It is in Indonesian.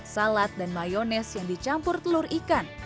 salad dan mayones yang dicampur telur ikan